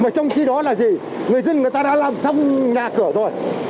mà trong khi đó thì người dân đã làm xong nhà cửa rồi